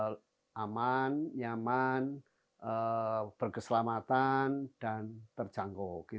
nyaman nyaman berkeselamatan dan terjangkau